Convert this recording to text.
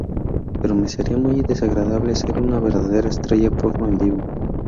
Pero me sería muy desagradable ser una verdadera estrella porno en vivo.